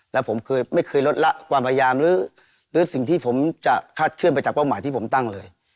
แล้วผมไม่เคยลดละความพยายามหรือสิ่งที่ผมจะคาดเคลื่อนไปจากเป้าหมายที่ผมตั้งเลย